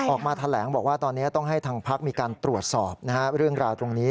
ออกมาแถลงบอกว่าตอนนี้ต้องให้ทางพักมีการตรวจสอบเรื่องราวตรงนี้